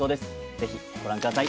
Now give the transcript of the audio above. ぜひご覧ください